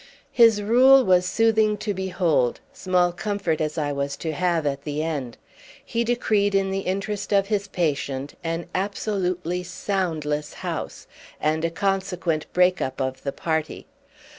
His rule was soothing to behold, small comfort as I was to have at the end. He decreed in the interest of his patient an absolutely soundless house and a consequent break up of the party.